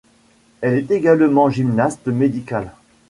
Elle est également gymnaste médicale.